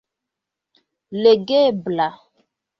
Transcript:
legebla